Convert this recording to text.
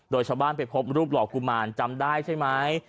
โดยชาวบ้านไปพบรูปหล่อกุมารจำได้ใช่ไหม